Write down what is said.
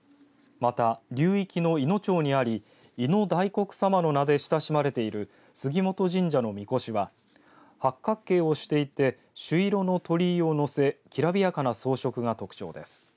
また流域の、いの町にありいの大国さまの名で親しまれている椙本神社のみこしは八角形をしていて朱色の鳥居をのせきらびやかな装飾が特徴です。